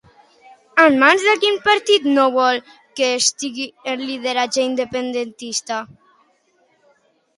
En mans de quin partit no vol que estigui el lideratge independentista?